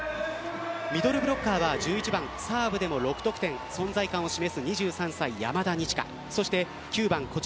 ミドルブロッカーは１１番サーブでも６得点存在感を示す２３歳山田二千華。